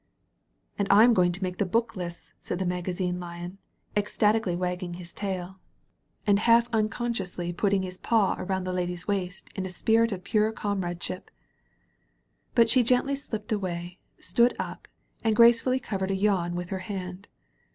"And I am going to make the book lists!" said the Magazine Lion, ecstatically wagging his tail, 229 THE VALLEY OF VISION and half unconscioiisly putting his paw around the lady's waist in a spirit of pure comradeship. But she gently slipped away, stood up» and grace fully covered a yawn with her hand.